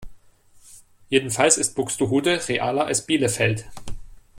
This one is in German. Jedenfalls ist Buxtehude realer als Bielefeld.